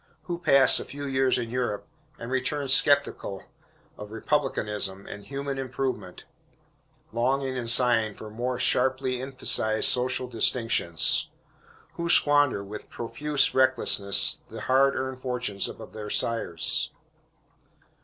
Who pass a few years in Europe and return skeptical of republicanism and human improvement, longing and sighing for more sharply emphasized social distinctions? Who squander, with profuse recklessness, the hard earned fortunes of their sires?